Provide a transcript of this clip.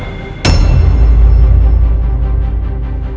ada di mana